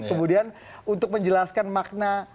kemudian untuk menjelaskan makna